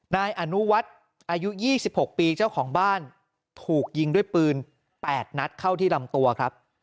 นายอนุวัฒน์อายุ๒๖ปีเจ้าของบ้านถูกยิงด้วยปืน๘นัดเข้าที่ลำตัวครับ